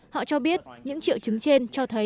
họ cho biết những triệu chứng trên cho thấy